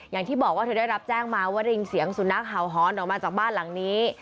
อย่างที่บอกว่าเธอได้รับแจ้งมาว่าได้ยินเสียงสุนัขเห่าหอนออกมาจากบ้านหลังนี้